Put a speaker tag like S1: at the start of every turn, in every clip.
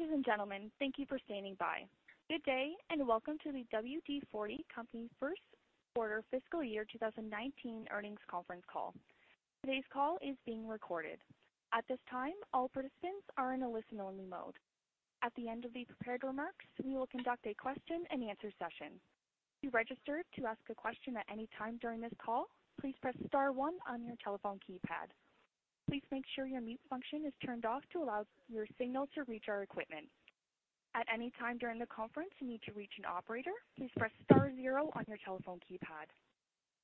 S1: Ladies and gentlemen, thank you for standing by. Good day, and welcome to the WD-40 Company first quarter fiscal year 2019 earnings conference call. Today's call is being recorded. At this time, all participants are in a listen-only mode. At the end of the prepared remarks, we will conduct a question and answer session. To register to ask a question at any time during this call, please press star one on your telephone keypad. Please make sure your mute function is turned off to allow your signal to reach our equipment. At any time during the conference, you need to reach an operator, please press star zero on your telephone keypad.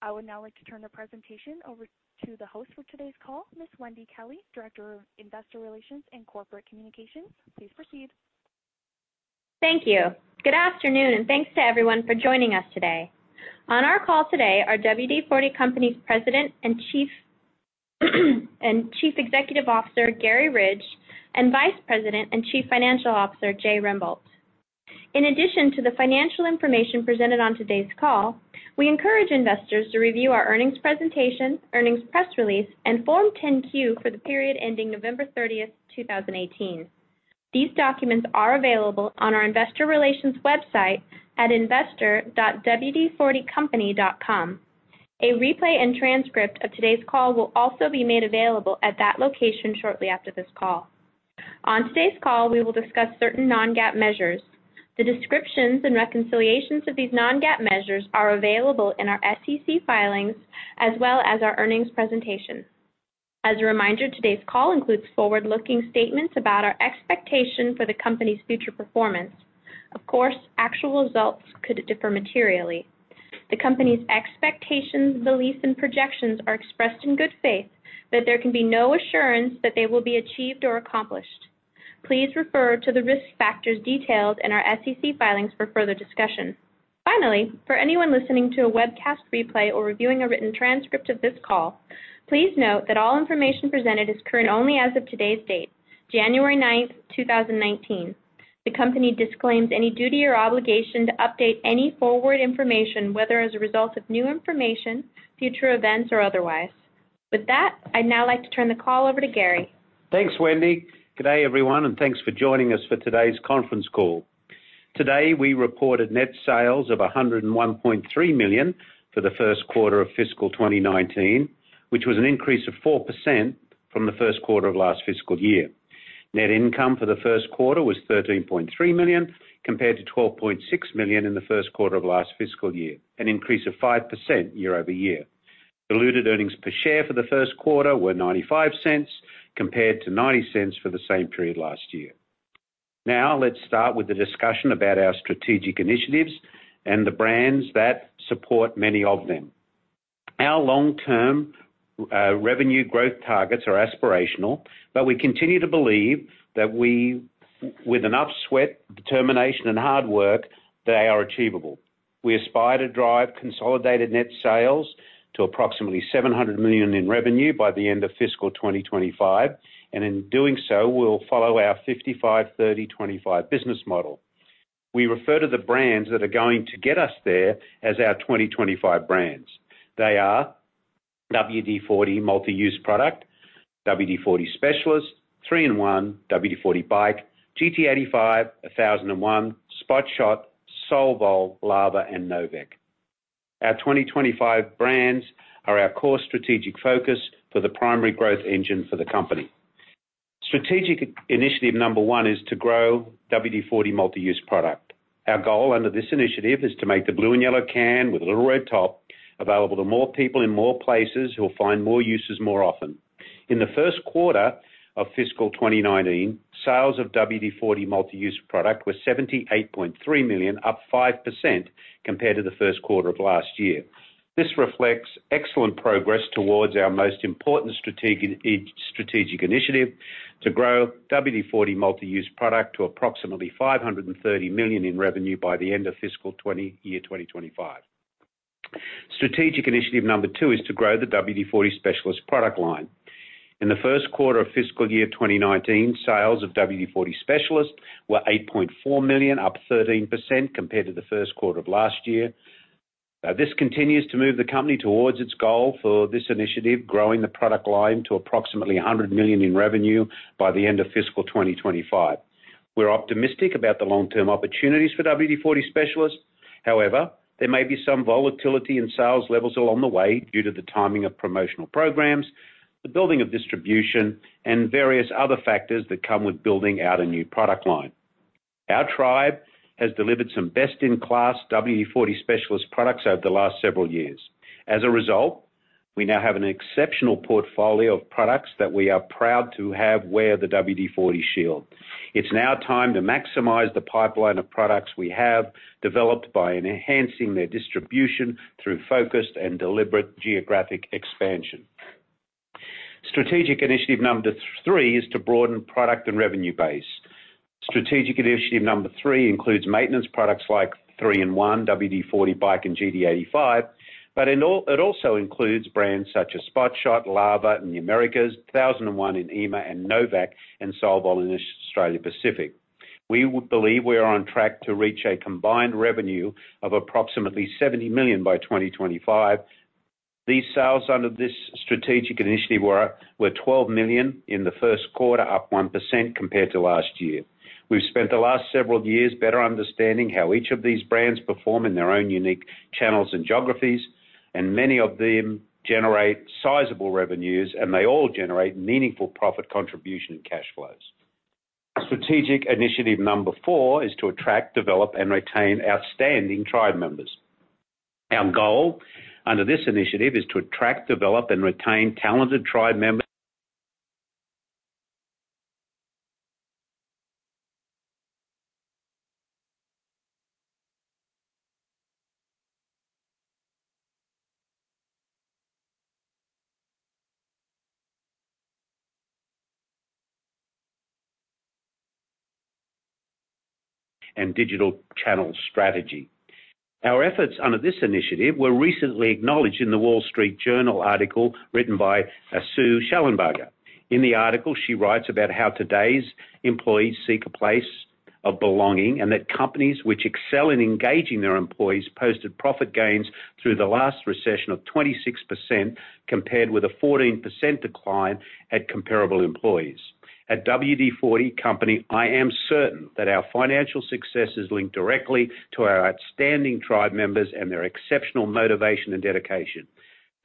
S1: I would now like to turn the presentation over to the host for today's call, Ms. Wendy Kelley, Director of Investor Relations and Corporate Communications. Please proceed.
S2: Thank you. Good afternoon, and thanks to everyone for joining us today. On our call today are WD-40 Company's President and Chief Executive Officer, Garry Ridge, and Vice President and Chief Financial Officer, Jay Rembolt. In addition to the financial information presented on today's call, we encourage investors to review our earnings presentation, earnings press release, and Form 10-Q for the period ending November 30th, 2018. These documents are available on our investor.wd40company.com website. A replay and transcript of today's call will also be made available at that location shortly after this call. On today's call, we will discuss certain non-GAAP measures. The descriptions and reconciliations of these non-GAAP measures are available in our SEC filings, as well as our earnings presentation. As a reminder, today's call includes forward-looking statements about our expectation for the company's future performance. Of course, actual results could differ materially. The company's expectations, beliefs, and projections are expressed in good faith, but there can be no assurance that they will be achieved or accomplished. Please refer to the risk factors detailed in our SEC filings for further discussion. Finally, for anyone listening to a webcast replay or reviewing a written transcript of this call, please note that all information presented is current only as of today's date, January ninth, 2019. The company disclaims any duty or obligation to update any forward information, whether as a result of new information, future events, or otherwise. With that, I'd now like to turn the call over to Garry.
S3: Thanks, Wendy. Good day, everyone, and thanks for joining us for today's conference call. Today, we reported net sales of $101.3 million for the first quarter of fiscal 2019, which was an increase of 4% from the first quarter of last fiscal year. Net income for the first quarter was $13.3 million, compared to $12.6 million in the first quarter of last fiscal year, an increase of 5% year over year. Diluted earnings per share for the first quarter were $0.95, compared to $0.90 for the same period last year. Now, let's start with the discussion about our strategic initiatives and the brands that support many of them. Our long-term revenue growth targets are aspirational, but we continue to believe that with enough sweat, determination, and hard work, they are achievable. We aspire to drive consolidated net sales to approximately $700 million in revenue by the end of fiscal 2025. In doing so, we'll follow our 55/30/25 business model. We refer to the brands that are going to get us there as our 2025 brands. They are WD-40 Multi-Use Product, WD-40 Specialist, 3-IN-ONE, WD-40 Bike, GT85, 1001, Spot Shot, Solvol, Lava, and no vac. Our 2025 brands are our core strategic focus for the primary growth engine for the company. Strategic initiative number one is to grow WD-40 Multi-Use Product. Our goal under this initiative is to make the blue and yellow can with a little red top available to more people in more places who will find more uses more often. In the first quarter of fiscal 2019, sales of WD-40 Multi-Use Product were $78.3 million, up 5% compared to the first quarter of last year. This reflects excellent progress towards our most important strategic initiative to grow WD-40 Multi-Use Product to approximately $530 million in revenue by the end of fiscal year 2025. Strategic initiative number two is to grow the WD-40 Specialist product line. In the first quarter of fiscal year 2019, sales of WD-40 Specialist were $8.4 million, up 13% compared to the first quarter of last year. This continues to move the company towards its goal for this initiative, growing the product line to approximately $100 million in revenue by the end of fiscal 2025. We're optimistic about the long-term opportunities for WD-40 Specialist. However, there may be some volatility in sales levels along the way due to the timing of promotional programs, the building of distribution, and various other factors that come with building out a new product line. Our tribe has delivered some best-in-class WD-40 Specialist products over the last several years. As a result, we now have an exceptional portfolio of products that we are proud to have wear the WD-40 shield. It's now time to maximize the pipeline of products we have developed by enhancing their distribution through focused and deliberate geographic expansion. Strategic initiative number three is to broaden product and revenue base. Strategic initiative number three includes maintenance products like 3-IN-ONE, WD-40 Bike, and GT85. It also includes brands such as Spot Shot, Lava in the Americas, 1001 in EMEA, and no vac and Solvol in Australia Pacific. We believe we are on track to reach a combined revenue of approximately $70 million by 2025. These sales under this strategic initiative were $12 million in the first quarter, up 1% compared to last year. We've spent the last several years better understanding how each of these brands perform in their own unique channels and geographies. Many of them generate sizable revenues. They all generate meaningful profit contribution and cash flows. Strategic initiative number four is to attract, develop, and retain outstanding tribe members. Our goal under this initiative is to attract, develop, and retain talented tribe members and digital channel strategy. Our efforts under this initiative were recently acknowledged in The Wall Street Journal article written by Sue Shellenbarger. In the article, she writes about how today's employees seek a place of belonging and that companies which excel in engaging their employees posted profit gains through the last recession of 26%, compared with a 14% decline at comparable employees. At WD-40 Company, I am certain that our financial success is linked directly to our outstanding tribe members and their exceptional motivation and dedication.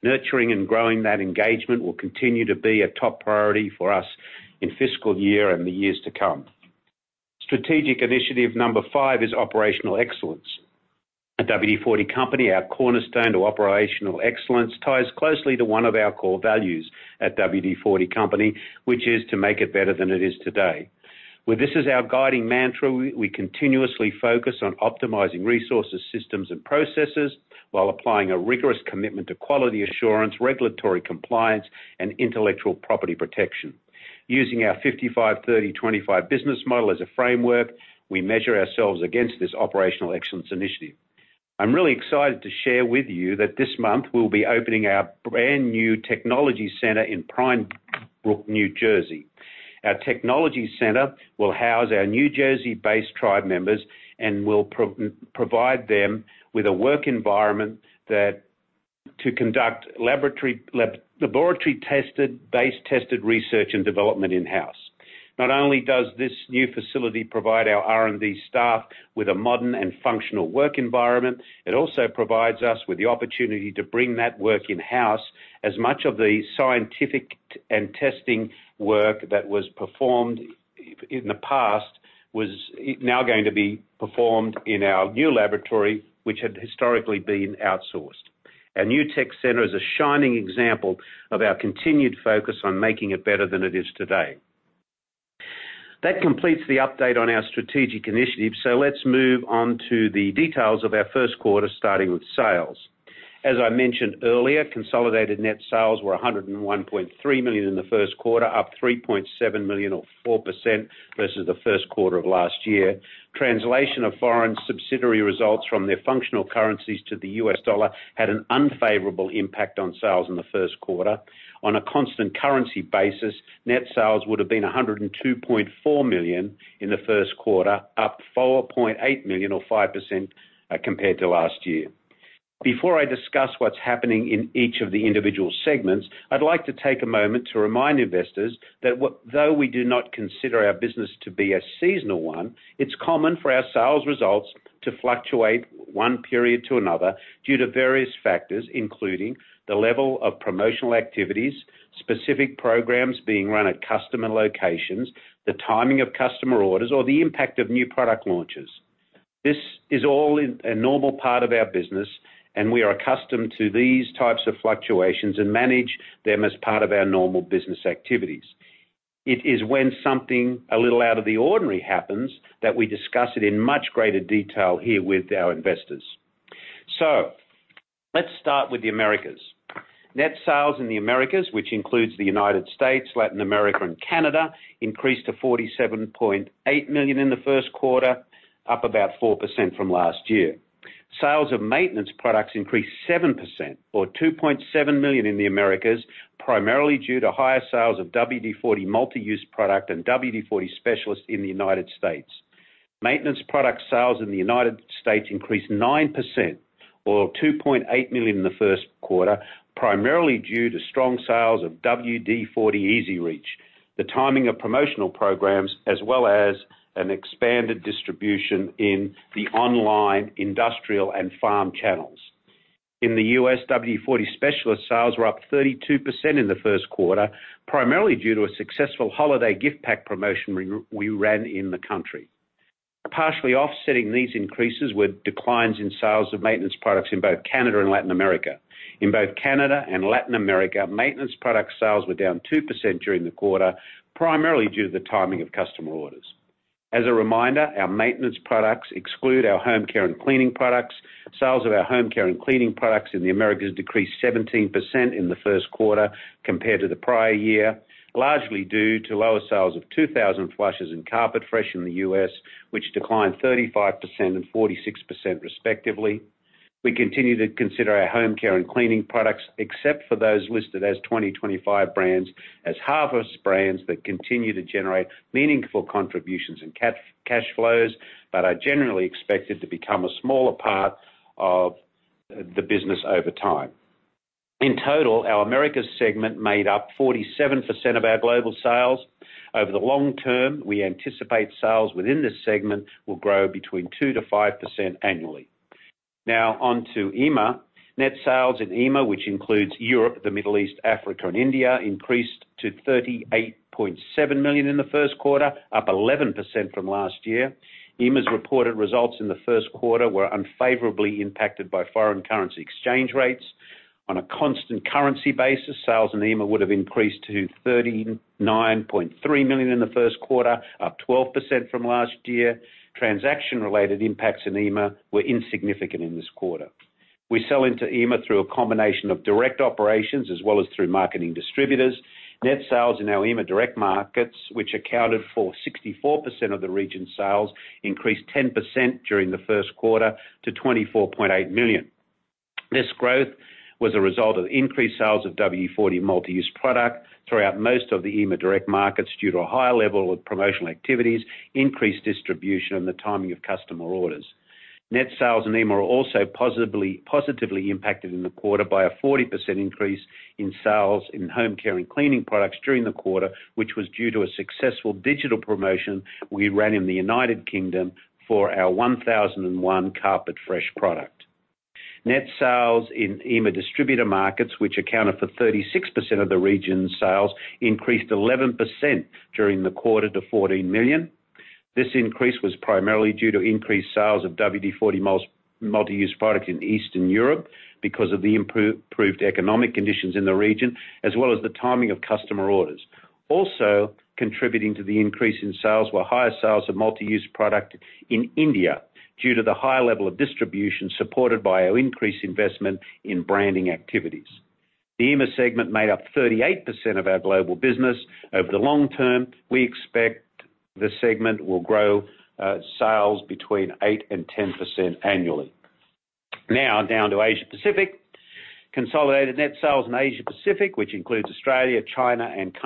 S3: Nurturing and growing that engagement will continue to be a top priority for us in fiscal year and the years to come. Strategic initiative number five is operational excellence. At WD-40 Company, our cornerstone to operational excellence ties closely to one of our core values at WD-40 Company, which is to make it better than it is today. With this as our guiding mantra, we continuously focus on optimizing resources, systems, and processes while applying a rigorous commitment to quality assurance, regulatory compliance, and intellectual property protection. Using our 55/30/25 business model as a framework, we measure ourselves against this operational excellence initiative. I'm really excited to share with you that this month we'll be opening our brand-new technology center in Pine Brook, New Jersey. Our technology center will house our New Jersey-based tribe members and will provide them with a work environment to conduct laboratory-based tested research and development in-house. Not only does this new facility provide our R&D staff with a modern and functional work environment, it also provides us with the opportunity to bring that work in-house as much of the scientific and testing work that was performed in the past was now going to be performed in our new laboratory, which had historically been outsourced. Our new tech center is a shining example of our continued focus on making it better than it is today. That completes the update on our strategic initiatives. Let's move on to the details of our first quarter, starting with sales. As I mentioned earlier, consolidated net sales were $101.3 million in the first quarter, up $3.7 million or 4% versus the first quarter of last year. Translation of foreign subsidiary results from their functional currencies to the U.S. dollar had an unfavorable impact on sales in the first quarter. On a constant currency basis, net sales would have been $102.4 million in the first quarter, up $4.8 million or 5% compared to last year. Before I discuss what's happening in each of the individual segments, I'd like to take a moment to remind investors that though we do not consider our business to be a seasonal one, it's common for our sales results to fluctuate one period to another due to various factors, including the level of promotional activities, specific programs being run at customer locations, the timing of customer orders, or the impact of new product launches. This is all a normal part of our business, and we are accustomed to these types of fluctuations and manage them as part of our normal business activities. It is when something a little out of the ordinary happens that we discuss it in much greater detail here with our investors. Let's start with the Americas. Net sales in the Americas, which includes the United States, Latin America, and Canada, increased to $47.8 million in the first quarter, up about 4% from last year. Sales of maintenance products increased 7% or $2.7 million in the Americas, primarily due to higher sales of WD-40 Multi-Use Product and WD-40 Specialist in the United States. Maintenance product sales in the U.S. increased 9% or $2.8 million in the first quarter, primarily due to strong sales of WD-40 EZ-REACH, the timing of promotional programs, as well as an expanded distribution in the online, industrial, and farm channels. In the U.S., WD-40 Specialist sales were up 32% in the first quarter, primarily due to a successful holiday gift pack promotion we ran in the country. Partially offsetting these increases were declines in sales of maintenance products in both Canada and Latin America. In both Canada and Latin America, maintenance product sales were down 2% during the quarter, primarily due to the timing of customer orders. As a reminder, our maintenance products exclude our home care and cleaning products. Sales of our home care and cleaning products in the Americas decreased 17% in the first quarter compared to the prior year, largely due to lower sales of 2000 Flushes and Carpet Fresh in the U.S., which declined 35% and 46% respectively. We continue to consider our home care and cleaning products, except for those listed as 2025 brands, as harvest brands that continue to generate meaningful contributions and cash flows but are generally expected to become a smaller part of the business over time. In total, our Americas segment made up 47% of our global sales. Over the long term, we anticipate sales within this segment will grow between 2%-5% annually. Now on to EMEA. Net sales in EMEA, which includes Europe, the Middle East, Africa, and India, increased to $38.7 million in the first quarter, up 11% from last year. EMEA's reported results in the first quarter were unfavorably impacted by foreign currency exchange rates. On a constant currency basis, sales in EMEA would have increased to $39.3 million in the first quarter, up 12% from last year. Transaction-related impacts in EMEA were insignificant in this quarter. We sell into EMEA through a combination of direct operations as well as through marketing distributors. Net sales in our EMEA direct markets, which accounted for 64% of the region's sales, increased 10% during the first quarter to $24.8 million. This growth was a result of increased sales of WD-40 Multi-Use Product throughout most of the EMEA direct markets due to a higher level of promotional activities, increased distribution, and the timing of customer orders. Net sales in EMEA were also positively impacted in the quarter by a 40% increase in sales in home care and cleaning products during the quarter, which was due to a successful digital promotion we ran in the U.K. for our 1001 Carpet Fresh product. Net sales in EMEA distributor markets, which accounted for 36% of the region's sales, increased 11% during the quarter to $14 million. This increase was primarily due to increased sales of WD-40 Multi-Use Product in Eastern Europe because of the improved economic conditions in the region as well as the timing of customer orders. Also contributing to the increase in sales were higher sales of Multi-Use Product in India due to the high level of distribution supported by our increased investment in branding activities. The EMEA segment made up 38% of our global business. Over the long term, we expect this segment will grow sales between 8%-10% annually. Down to Asia Pacific. Consolidated net sales in Asia Pacific, which includes Australia, China, and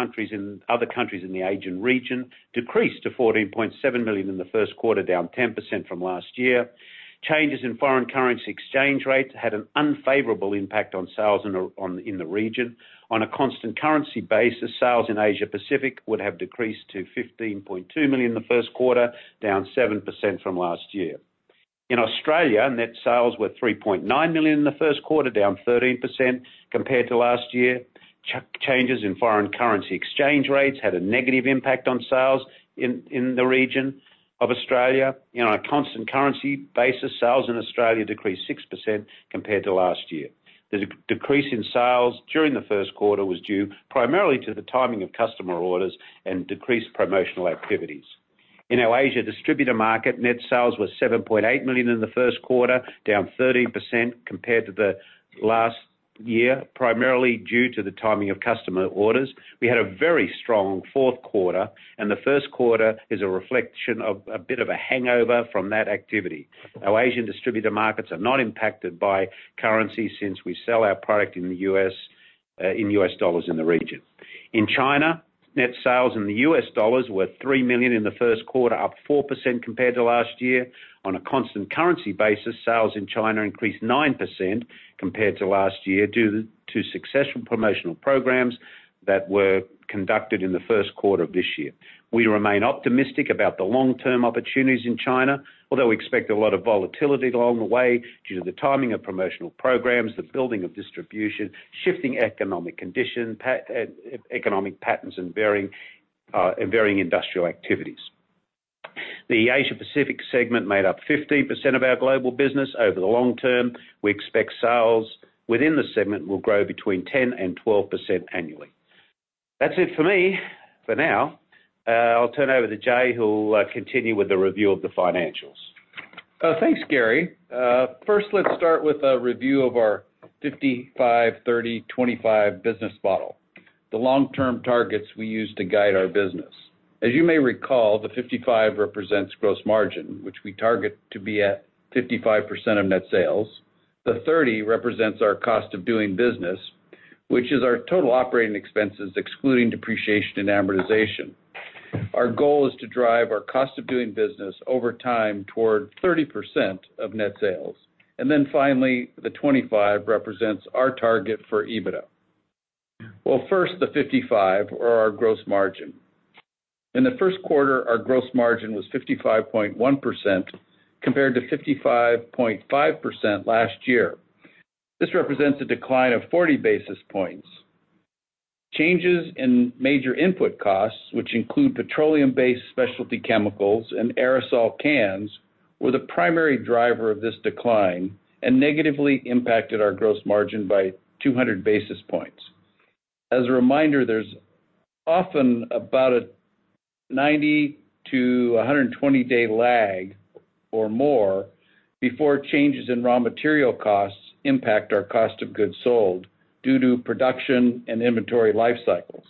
S3: other countries in the Asian region, decreased to $14.7 million in the first quarter, down 10% from last year. Changes in foreign currency exchange rates had an unfavorable impact on sales in the region. On a constant currency basis, sales in Asia Pacific would have decreased to $15.2 million in the first quarter, down 7% from last year. In Australia, net sales were $3.9 million in the first quarter, down 13% compared to last year. Changes in foreign currency exchange rates had a negative impact on sales in the region of Australia. On a constant currency basis, sales in Australia decreased 6% compared to last year. The decrease in sales during the first quarter was due primarily to the timing of customer orders and decreased promotional activities. In our Asia distributor market, net sales were $7.8 million in the first quarter, down 13% compared to last year, primarily due to the timing of customer orders. We had a very strong fourth quarter, and the first quarter is a reflection of a bit of a hangover from that activity. Our Asian distributor markets are not impacted by currency since we sell our product in U.S. dollars in the region. In China, net sales in U.S. dollars were $3 million in the first quarter, up 4% compared to last year. On a constant currency basis, sales in China increased 9% compared to last year due to successful promotional programs that were conducted in the first quarter of this year. We remain optimistic about the long-term opportunities in China, although we expect a lot of volatility along the way due to the timing of promotional programs, the building of distribution, shifting economic condition, economic patterns, and varying industrial activities. The Asia Pacific segment made up 15% of our global business. Over the long term, we expect sales within the segment will grow between 10%-12% annually. That's it for me for now. I'll turn over to Jay, who'll continue with the review of the financials.
S4: Thanks, Garry. First, let's start with a review of our 55/30/25 business model, the long-term targets we use to guide our business. As you may recall, the 55 represents gross margin, which we target to be at 55% of net sales. The 30 represents our cost of doing business, which is our total operating expenses, excluding depreciation and amortization. Our goal is to drive our cost of doing business over time toward 30% of net sales. And then finally, the 25 represents our target for EBITDA. First, the 55 or our gross margin. In the first quarter, our gross margin was 55.1% compared to 55.5% last year. This represents a decline of 40 basis points. Changes in major input costs, which include petroleum-based specialty chemicals and aerosol cans, were the primary driver of this decline and negatively impacted our gross margin by 200 basis points. As a reminder, there's often about a 90-120-day lag or more before changes in raw material costs impact our cost of goods sold due to production and inventory life cycles.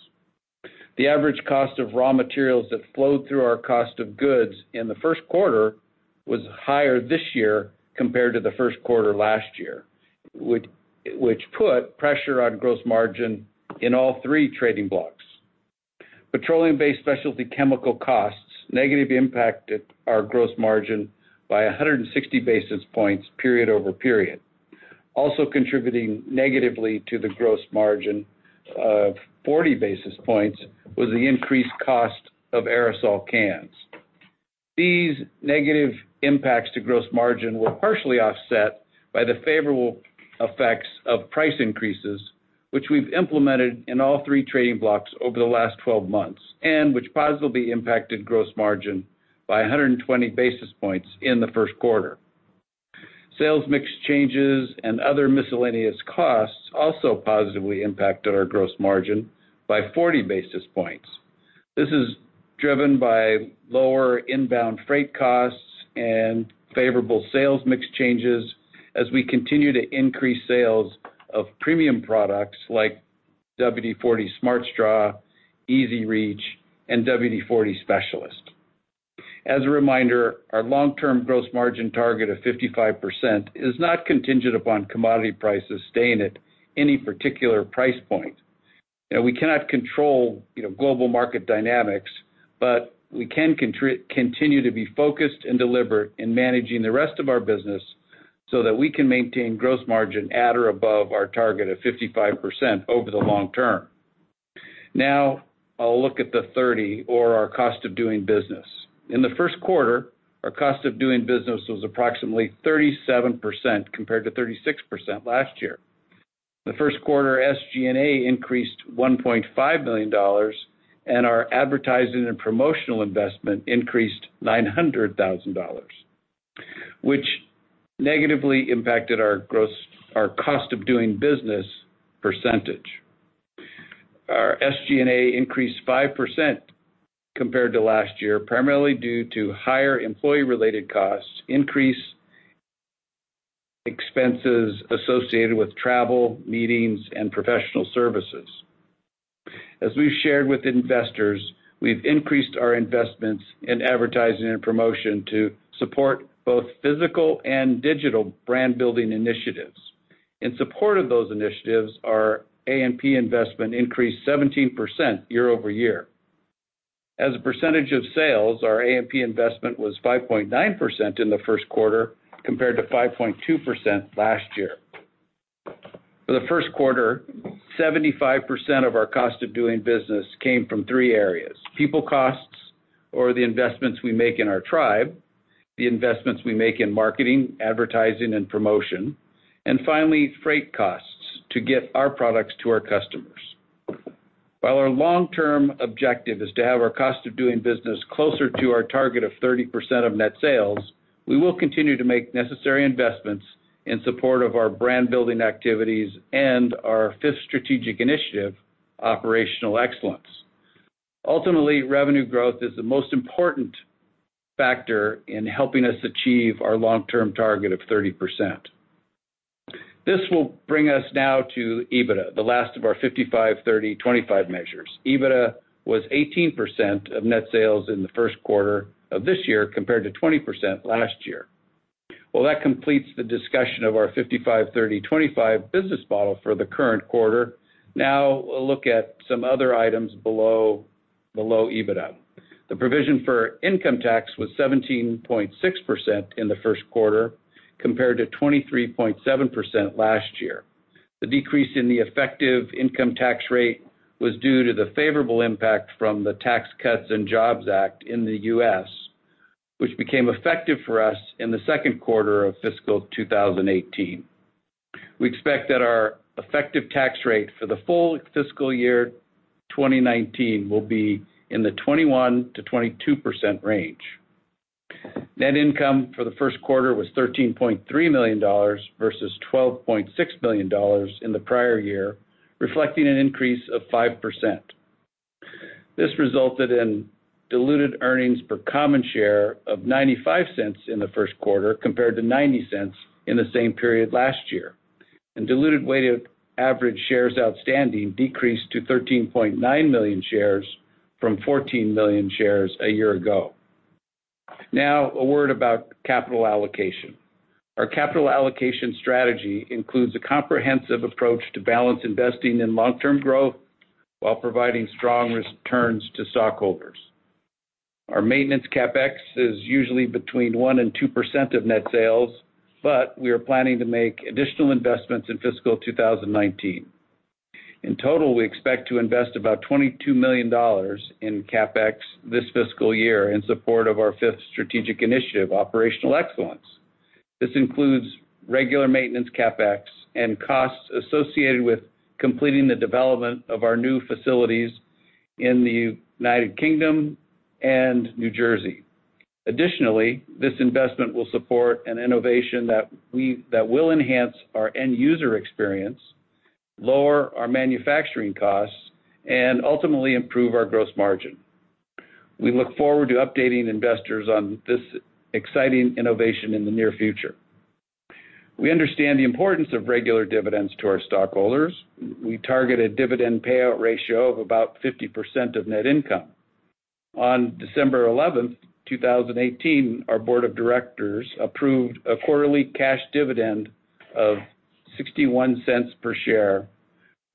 S4: The average cost of raw materials that flowed through our cost of goods in the first quarter was higher this year compared to the first quarter last year, which put pressure on gross margin in all three trading blocks. Petroleum-based specialty chemical costs negatively impacted our gross margin by 160 basis points period over period. Also contributing negatively to the gross margin of 40 basis points was the increased cost of aerosol cans. These negative impacts to gross margin were partially offset by the favorable effects of price increases, which we've implemented in all three trading blocks over the last 12 months, and which positively impacted gross margin by 120 basis points in the first quarter. Sales mix changes and other miscellaneous costs also positively impacted our gross margin by 40 basis points. This is driven by lower inbound freight costs and favorable sales mix changes as we continue to increase sales of premium products like WD-40 Smart Straw, EZ-REACH, and WD-40 Specialist. As a reminder, our long-term gross margin target of 55% is not contingent upon commodity prices staying at any particular price point. We cannot control global market dynamics, but we can continue to be focused and deliberate in managing the rest of our business so that we can maintain gross margin at or above our target of 55% over the long term. I'll look at the 30, or our cost of doing business. In the first quarter, our cost of doing business was approximately 37% compared to 36% last year. The first quarter SG&A increased $1.5 million, and our advertising and promotional investment increased $900,000, which negatively impacted our cost of doing business percentage. Our SG&A increased 5% compared to last year, primarily due to higher employee-related costs, increased expenses associated with travel, meetings, and professional services. As we've shared with investors, we've increased our investments in advertising and promotion to support both physical and digital brand-building initiatives. In support of those initiatives, our A&P investment increased 17% year-over-year. As a percentage of sales, our A&P investment was 5.9% in the first quarter, compared to 5.2% last year. For the first quarter, 75% of our cost of doing business came from three areas: people costs or the investments we make in our tribe, the investments we make in marketing, advertising, and promotion, and finally, freight costs to get our products to our customers. While our long-term objective is to have our cost of doing business closer to our target of 30% of net sales, we will continue to make necessary investments in support of our brand-building activities and our fifth strategic initiative, operational excellence. Ultimately, revenue growth is the most important factor in helping us achieve our long-term target of 30%. This will bring us now to EBITDA, the last of our 55, 30, 25 measures. EBITDA was 18% of net sales in the first quarter of this year compared to 20% last year. Well, that completes the discussion of our 55, 30, 25 business model for the current quarter. We'll look at some other items below EBITDA. The provision for income tax was 17.6% in the first quarter, compared to 23.7% last year. The decrease in the effective income tax rate was due to the favorable impact from the Tax Cuts and Jobs Act in the U.S., which became effective for us in the second quarter of fiscal year 2018. We expect that our effective tax rate for the full fiscal year 2019 will be in the 21%-22% range. Net income for the first quarter was $13.3 million versus $12.6 million in the prior year, reflecting an increase of 5%. This resulted in diluted earnings per common share of $0.95 in the first quarter, compared to $0.90 in the same period last year. Diluted weighted average shares outstanding decreased to 13.9 million shares from 14 million shares a year ago. A word about capital allocation. Our capital allocation strategy includes a comprehensive approach to balance investing in long-term growth while providing strong returns to stockholders. Our maintenance CapEx is usually between 1%-2% of net sales, but we are planning to make additional investments in fiscal year 2019. In total, we expect to invest about $22 million in CapEx this fiscal year in support of our fifth strategic initiative, operational excellence. This includes regular maintenance CapEx and costs associated with completing the development of our new facilities in the U.K. and New Jersey. This investment will support an innovation that will enhance our end-user experience, lower our manufacturing costs, and ultimately improve our gross margin. We look forward to updating investors on this exciting innovation in the near future. We understand the importance of regular dividends to our stockholders. We target a dividend payout ratio of about 50% of net income. On December 11th, 2018, our board of directors approved a quarterly cash dividend of $0.61 per share,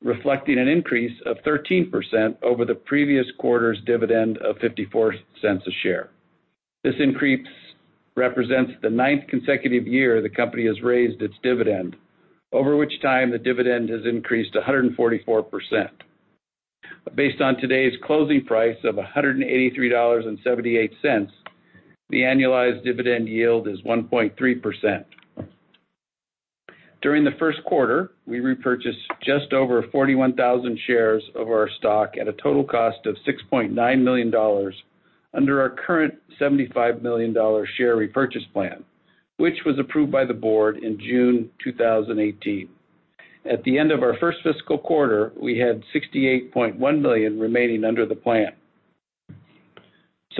S4: reflecting an increase of 13% over the previous quarter's dividend of $0.54 a share. This increase represents the ninth consecutive year the company has raised its dividend, over which time the dividend has increased 144%. Based on today's closing price of $183.78, the annualized dividend yield is 1.3%. During the first quarter, we repurchased just over 41,000 shares of our stock at a total cost of $6.9 million under our current $75 million share repurchase plan, which was approved by the board in June 2018. At the end of our first fiscal quarter, we had $68.1 million remaining under the plan.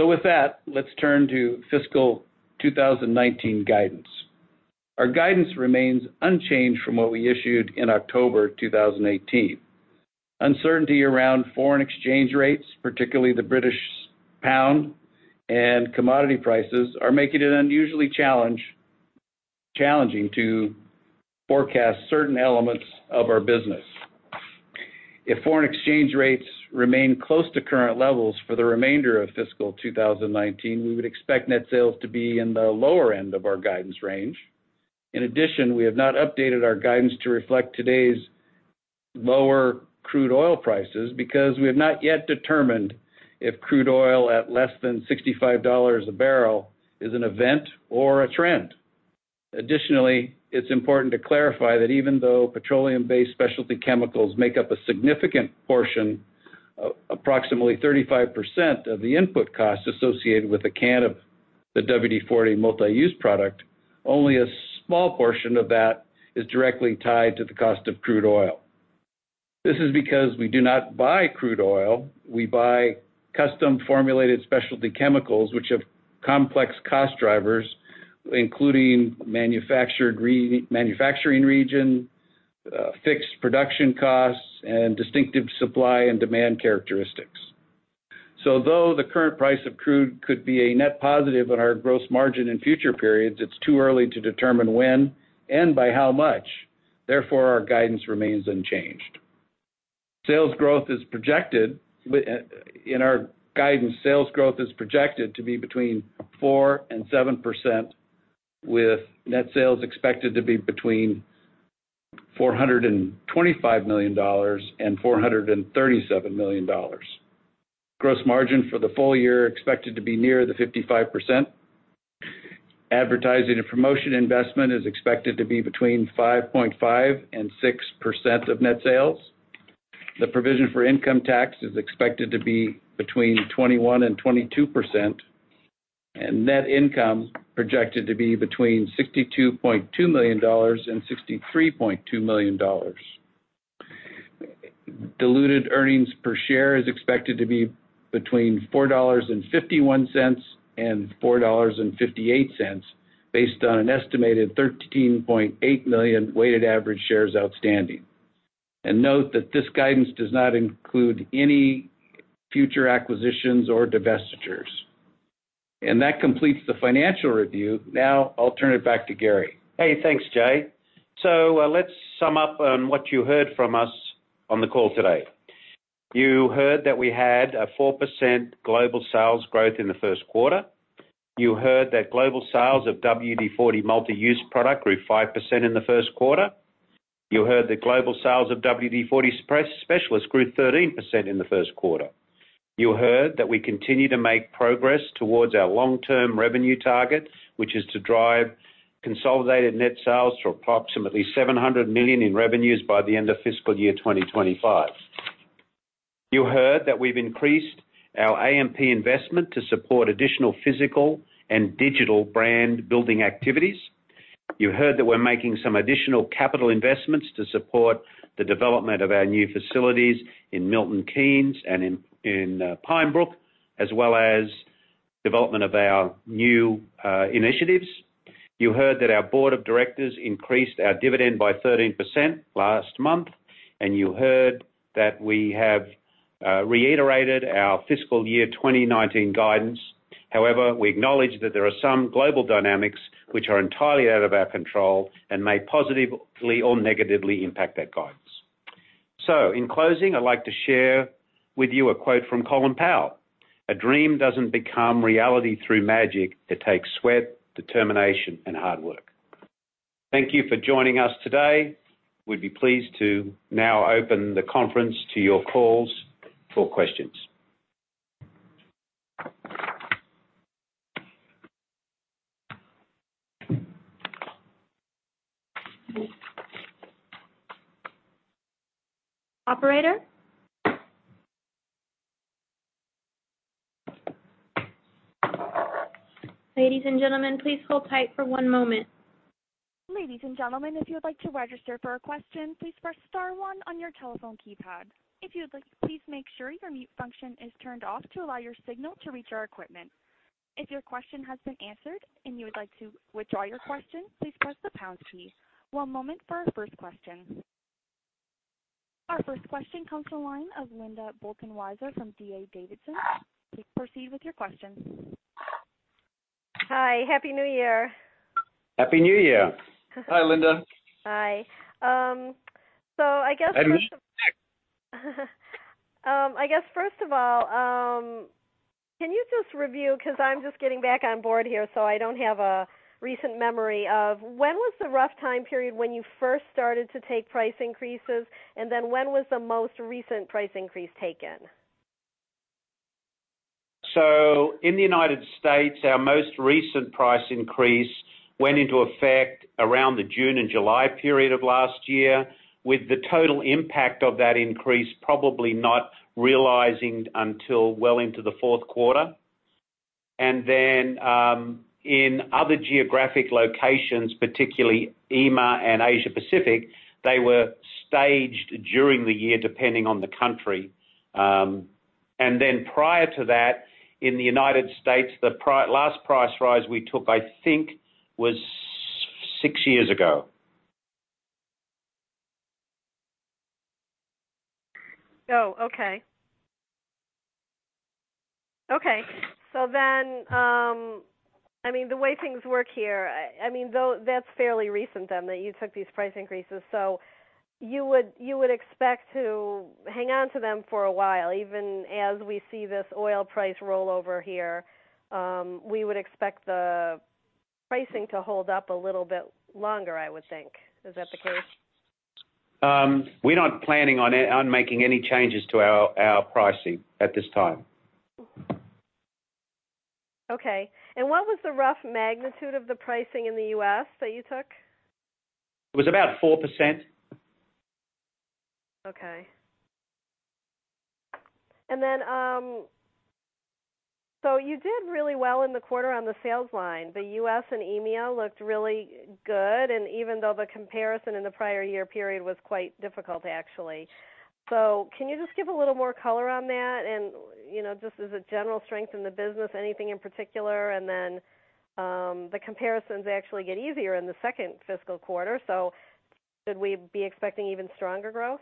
S4: With that, let's turn to fiscal year 2019 guidance. Our guidance remains unchanged from what we issued in October 2018. Uncertainty around foreign exchange rates, particularly the British pound and commodity prices, are making it unusually challenging to forecast certain elements of our business. If foreign exchange rates remain close to current levels for the remainder of fiscal year 2019, we would expect net sales to be in the lower end of our guidance range. In addition, we have not updated our guidance to reflect today's lower crude oil prices because we have not yet determined if crude oil at less than $65 a barrel is an event or a trend. It's important to clarify that even though petroleum-based specialty chemicals make up a significant portion, approximately 35%, of the input cost associated with a can of the WD-40 Multi-Use Product, only a small portion of that is directly tied to the cost of crude oil. This is because we do not buy crude oil. We buy custom-formulated specialty chemicals which have complex cost drivers, including manufacturing region, fixed production costs, and distinctive supply and demand characteristics. Though the current price of crude could be a net positive on our gross margin in future periods, it's too early to determine when and by how much. Therefore, our guidance remains unchanged. In our guidance, sales growth is projected to be between 4%-7%, with net sales expected to be between $425 million-$437 million. Gross margin for the full year expected to be near 55%. Advertising and promotion investment is expected to be between 5.5%-6% of net sales. The provision for income tax is expected to be between 21%-22%, and net income projected to be between $62.2 million-$63.2 million. Diluted earnings per share is expected to be between $4.51-$4.58 based on an estimated 13.8 million weighted average shares outstanding. Note that this guidance does not include any future acquisitions or divestitures. That completes the financial review. Now I'll turn it back to Garry.
S3: Hey, thanks, Jay. Let's sum up on what you heard from us on the call today. You heard that we had a 4% global sales growth in the first quarter. You heard that global sales of WD-40 Multi-Use Product grew 5% in the first quarter. You heard that global sales of WD-40 Specialist grew 13% in the first quarter. You heard that we continue to make progress towards our long-term revenue target, which is to drive consolidated net sales to approximately $700 million in revenues by the end of fiscal year 2025. You heard that we've increased our A&P investment to support additional physical and digital brand-building activities. You heard that we're making some additional capital investments to support the development of our new facilities in Milton Keynes and in Pine Brook, as well as development of our new initiatives. You heard that our board of directors increased our dividend by 13% last month. You heard that we have reiterated our fiscal year 2019 guidance. However, we acknowledge that there are some global dynamics which are entirely out of our control and may positively or negatively impact that guidance. In closing, I'd like to share with you a quote from Colin Powell. "A dream doesn't become reality through magic. It takes sweat, determination, and hard work." Thank you for joining us today. We'd be pleased to now open the conference to your calls for questions.
S2: Operator? Ladies and gentlemen, please hold tight for one moment.
S1: Ladies and gentlemen, if you would like to register for a question, please press *1 on your telephone keypad. If you would like, please make sure your mute function is turned off to allow your signal to reach our equipment. If your question has been answered and you would like to withdraw your question, please press the # key. One moment for our first question. Our first question comes to the line of Linda Bolton-Weiser from D.A. Davidson. Please proceed with your question.
S5: Hi. Happy New Year.
S3: Happy New Year.
S4: Hi, Linda.
S5: Hi. I guess, first of all, can you just review, because I'm just getting back on board here, so I don't have a recent memory of when was the rough time period when you first started to take price increases, and then when was the most recent price increase taken?
S3: In the United States, our most recent price increase went into effect around the June and July period of last year, with the total impact of that increase probably not realizing until well into the fourth quarter. In other geographic locations, particularly EMEA and Asia Pacific, they were staged during the year, depending on the country. Prior to that, in the United States, the last price rise we took, I think was six years ago.
S5: Oh, okay. The way things work here, that's fairly recent then, that you took these price increases, so you would expect to hang on to them for a while, even as we see this oil price roll over here. We would expect the pricing to hold up a little bit longer, I would think. Is that the case?
S3: We're not planning on making any changes to our pricing at this time.
S5: Okay. What was the rough magnitude of the pricing in the U.S. that you took?
S3: It was about 4%.
S5: Okay. You did really well in the quarter on the sales line. The U.S. and EMEA looked really good, and even though the comparison in the prior year period was quite difficult, actually. Can you just give a little more color on that? Just as a general strength in the business, anything in particular? The comparisons actually get easier in the second fiscal quarter, should we be expecting even stronger growth?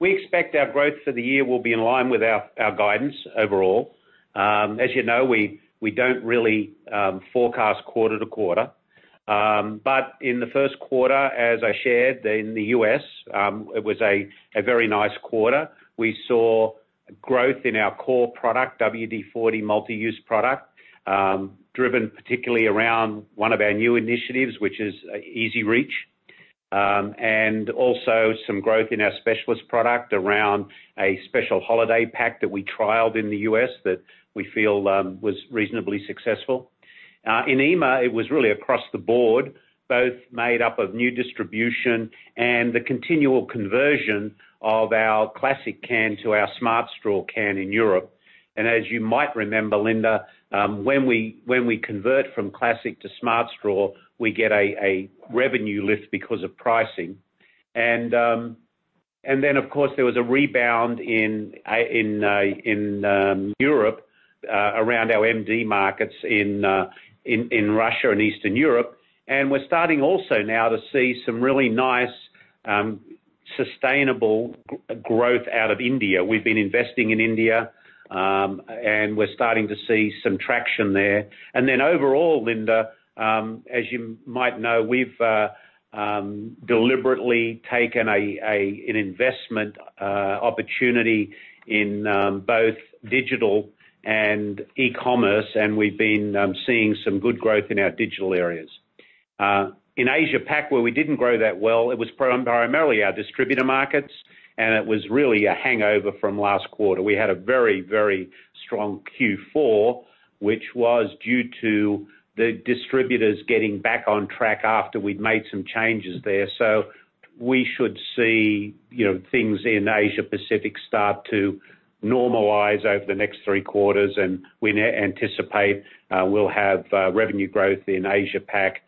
S3: We expect our growth for the year will be in line with our guidance overall. As you know, we don't really forecast quarter to quarter. In the first quarter, as I shared, in the U.S., it was a very nice quarter. We saw growth in our core product, WD-40 Multi-Use Product, driven particularly around one of our new initiatives, which is EZ-REACH. Also some growth in our WD-40 Specialist product around a special holiday pack that we trialed in the U.S. that we feel was reasonably successful. In EMEA, it was really across the board, both made up of new distribution and the continual conversion of our classic can to our WD-40 Smart Straw can in Europe. As you might remember, Linda, when we convert from classic to WD-40 Smart Straw, we get a revenue lift because of pricing. Of course, there was a rebound in Europe, around our MD markets in Russia and Eastern Europe. We're starting also now to see some really nice, sustainable growth out of India. We've been investing in India, and we're starting to see some traction there. Overall, Linda, as you might know, we've deliberately taken an investment opportunity in both digital and e-commerce, and we've been seeing some good growth in our digital areas. In Asia Pac, where we didn't grow that well, it was primarily our distributor markets, and it was really a hangover from last quarter. We had a very strong Q4, which was due to the distributors getting back on track after we'd made some changes there. We should see things in Asia Pacific start to normalize over the next three quarters, and we anticipate we'll have revenue growth in Asia Pac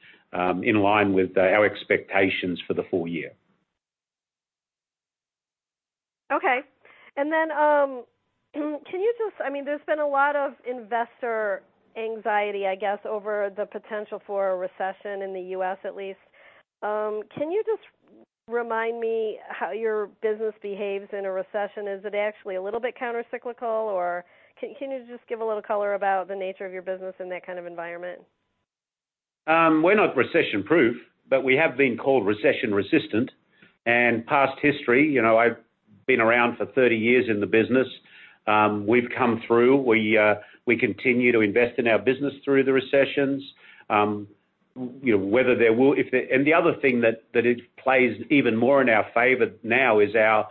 S3: in line with our expectations for the full year.
S5: Okay. There's been a lot of investor anxiety, I guess, over the potential for a recession in the U.S., at least. Can you just remind me how your business behaves in a recession? Is it actually a little bit countercyclical, or can you just give a little color about the nature of your business in that kind of environment?
S3: We're not recession-proof, but we have been called recession resistant. Past history, I've been around for 30 years in the business, we've come through. We continue to invest in our business through the recessions. The other thing that plays even more in our favor now is our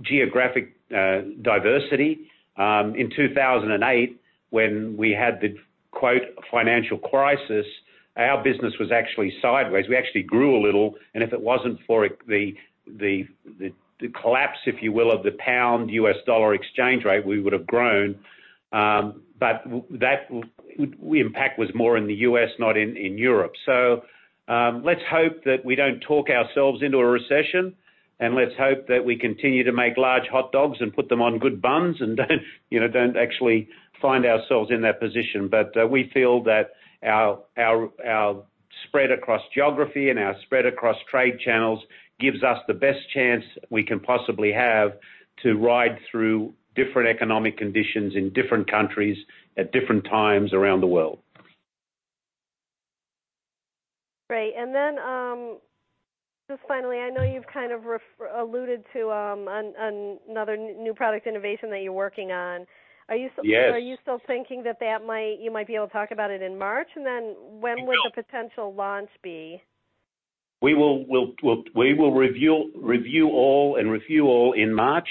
S3: geographic diversity. In 2008, when we had the, quote, "financial crisis," our business was actually sideways. We actually grew a little, if it wasn't for the collapse, if you will, of the GBP U.S. dollar exchange rate, we would have grown. That impact was more in the U.S., not in Europe. Let's hope that we don't talk ourselves into a recession, let's hope that we continue to make large hot dogs and put them on good buns, don't actually find ourselves in that position. We feel that our spread across geography and our spread across trade channels gives us the best chance we can possibly have to ride through different economic conditions in different countries at different times around the world.
S5: Great. Just finally, I know you've kind of alluded to another new product innovation that you're working on.
S3: Yes.
S5: Are you still thinking that you might be able to talk about it in March? When would-
S3: We will
S5: When will the potential launch be?
S3: We will review all and reveal all in March.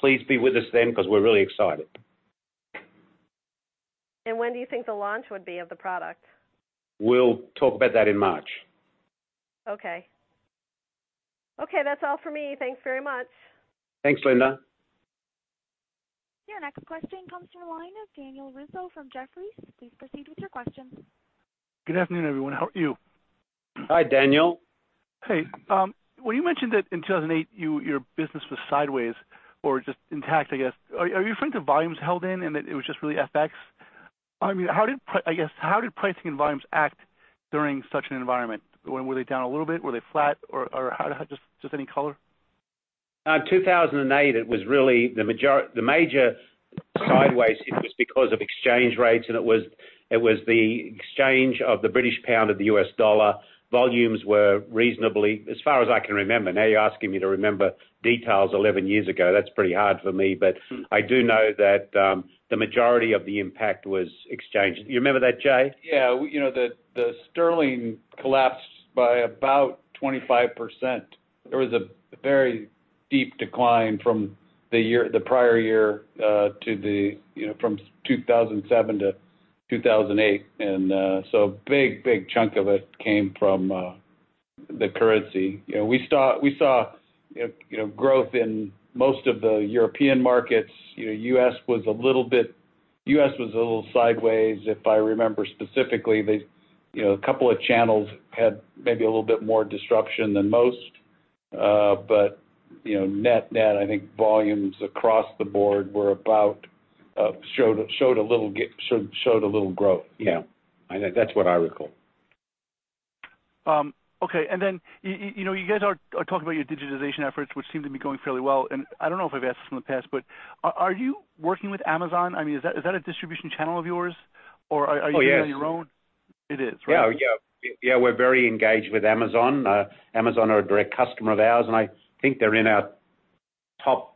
S3: Please be with us then because we're really excited.
S5: When do you think the launch would be of the product?
S3: We'll talk about that in March.
S5: Okay. Okay, that's all for me. Thanks very much.
S3: Thanks, Linda.
S1: Your next question comes from the line of Daniel Rizzo from Jefferies. Please proceed with your questions.
S6: Good afternoon, everyone. How are you?
S3: Hi, Daniel.
S6: Hey. When you mentioned that in 2008, your business was sideways or just intact, I guess, are you referring to volumes held in and that it was just really FX? How did pricing environments act during such an environment? Were they down a little bit? Were they flat? Just any color?
S3: 2008, the major sideways hit was because of exchange rates. It was the exchange of the British pound and the U.S. dollar. Volumes were reasonably, as far as I can remember. Now you're asking me to remember details 11 years ago. That's pretty hard for me. I do know that the majority of the impact was exchange. Do you remember that, Jay?
S4: Yeah. The GBP collapsed by about 25%. There was a very deep decline from the prior year, from 2007 to 2008. A big chunk of it came from the currency. We saw growth in most of the European markets. U.S. was a little sideways, if I remember specifically. A couple of channels had maybe a little bit more disruption than most. Net-net, I think volumes across the board showed a little growth.
S3: Yeah. I think that's what I recall.
S6: Okay. You guys are talking about your digitization efforts, which seem to be going fairly well. I don't know if I've asked this in the past, but are you working with Amazon? Is that a distribution channel of yours?
S3: Oh, yes
S6: doing it on your own? It is, right?
S3: Yeah. We're very engaged with Amazon. Amazon are a direct customer of ours, and I think they're in our top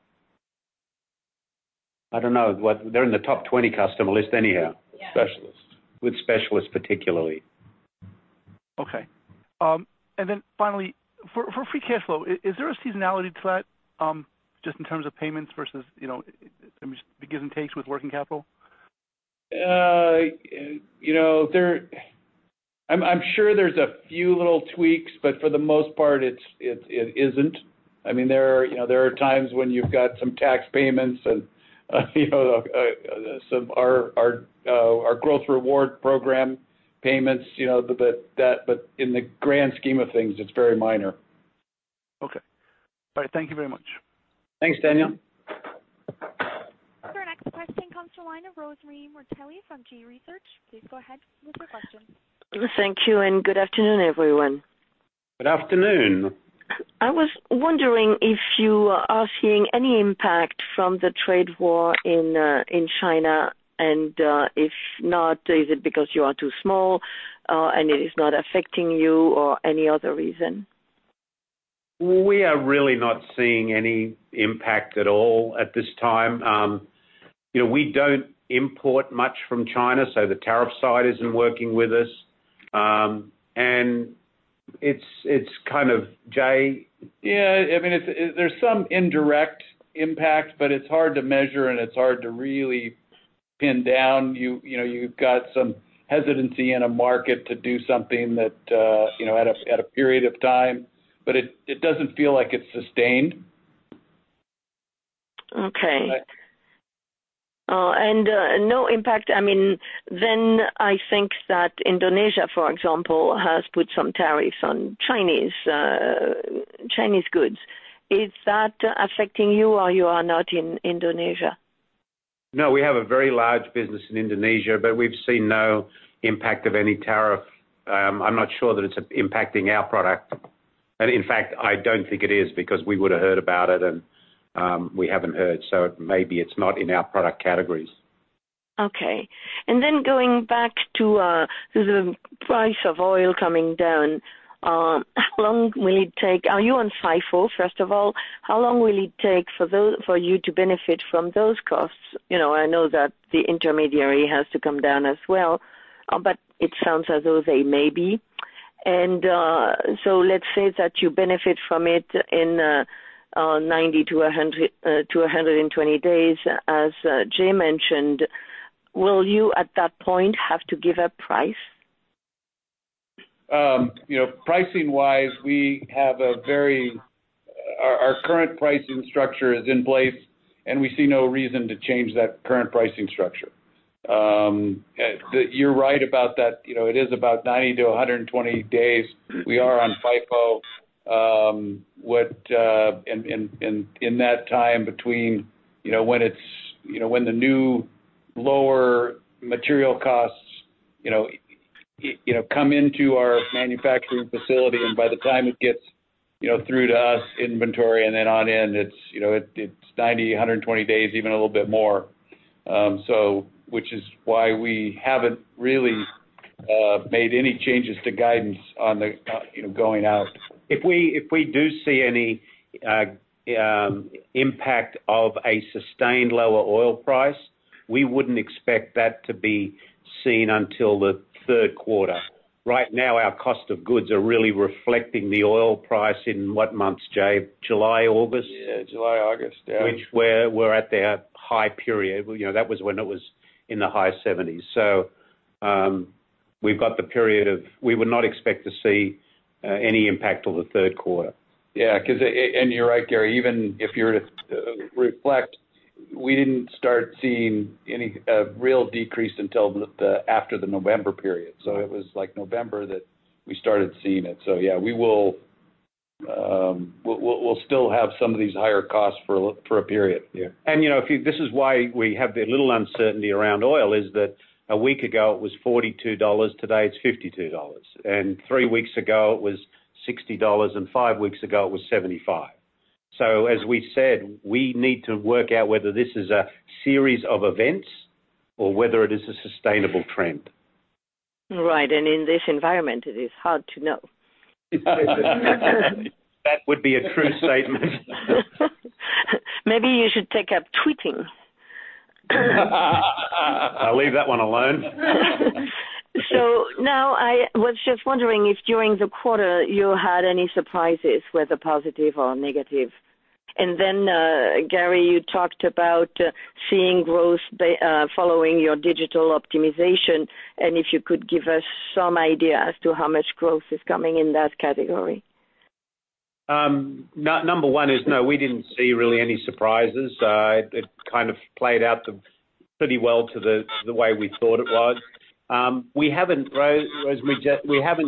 S3: I don't know. They're in the top 20 customer list anyhow.
S4: Yeah. Specialist.
S3: With Specialist particularly.
S6: Okay. Finally, for free cash flow, is there a seasonality to that? Just in terms of payments versus, just the gives and takes with working capital?
S4: I'm sure there's a few little tweaks, but for the most part, it isn't. There are times when you've got some tax payments and some of our growth reward program payments. In the grand scheme of things, it's very minor.
S6: Okay. All right. Thank you very much.
S3: Thanks, Daniel.
S1: Your next question comes to line of Rosemarie Morbelli from G.research. Please go ahead with your question.
S7: Thank you, and good afternoon, everyone.
S3: Good afternoon.
S7: I was wondering if you are seeing any impact from the trade war in China, and if not, is it because you are too small and it is not affecting you, or any other reason?
S3: We are really not seeing any impact at all at this time. We don't import much from China, so the tariff side isn't working with us. It's kind of, Jay?
S4: Yeah. There's some indirect impact, but it's hard to measure, and it's hard to really pin down. You've got some hesitancy in a market to do something at a period of time, but it doesn't feel like it's sustained.
S7: Okay. No impact, I think that Indonesia, for example, has put some tariffs on Chinese goods. Is that affecting you, or you are not in Indonesia?
S3: No, we have a very large business in Indonesia, but we've seen no impact of any tariff. I'm not sure that it's impacting our product. In fact, I don't think it is, because we would have heard about it, and we haven't heard. Maybe it's not in our product categories.
S7: Okay. Going back to the price of oil coming down. How long will it take? Are you on FIFO, first of all? How long will it take for you to benefit from those costs? I know that the intermediary has to come down as well, but it sounds as though they may be. Let's say that you benefit from it in 90-120 days, as Jay mentioned. Will you, at that point, have to give up price?
S4: Pricing-wise, our current pricing structure is in place. We see no reason to change that current pricing structure. You're right about that. It is about 90 to 120 days. We are on FIFO. In that time between when the new lower material costs come into our manufacturing facility and by the time it gets through to us inventory and then on in, it's 90, 120 days, even a little bit more. Which is why we haven't really made any changes to guidance going out.
S3: If we do see any impact of a sustained lower oil price, we wouldn't expect that to be seen until the third quarter. Right now, our cost of goods are really reflecting the oil price in what months, Jay? July, August?
S4: Yeah. July, August, yeah.
S3: Which were at their high period. That was when it was in the high 70s. We would not expect to see any impact till the third quarter.
S4: Yeah. You're right, Garry. Even if you were to reflect, we didn't start seeing any real decrease until after the November period. It was November that we started seeing it. Yeah, we'll still have some of these higher costs for a period.
S3: Yeah. This is why we have the little uncertainty around oil, is that a week ago, it was $42, today it's $52. Three weeks ago, it was $60, five weeks ago, it was $75. As we said, we need to work out whether this is a series of events or whether it is a sustainable trend.
S7: Right. In this environment, it is hard to know.
S3: That would be a true statement.
S7: Maybe you should take up tweeting.
S4: I'll leave that one alone.
S7: Now I was just wondering if during the quarter you had any surprises, whether positive or negative. Garry, you talked about seeing growth following your digital optimization, and if you could give us some idea as to how much growth is coming in that category.
S3: Number one is, no, we didn't see really any surprises. It kind of played out pretty well to the way we thought it was. We haven't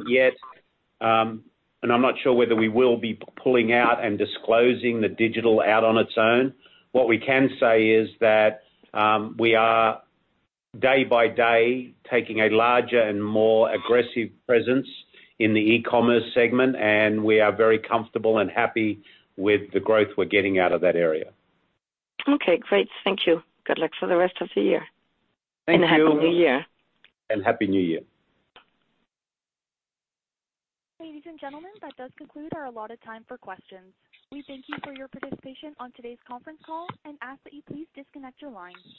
S3: yet, and I'm not sure whether we will be pulling out and disclosing the digital out on its own. What we can say is that we are day by day taking a larger and more aggressive presence in the e-commerce segment, and we are very comfortable and happy with the growth we're getting out of that area.
S7: Okay, great. Thank you. Good luck for the rest of the year.
S3: Thank you.
S7: Happy New Year.
S3: Happy New Year.
S1: Ladies and gentlemen, that does conclude our allotted time for questions. We thank you for your participation on today's conference call and ask that you please disconnect your line.